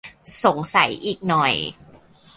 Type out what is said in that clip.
สงสัยอีกหน่อย